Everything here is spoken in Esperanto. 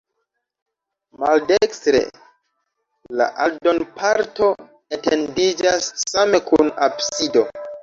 Maldekstre la aldonparto etendiĝas same kun absido.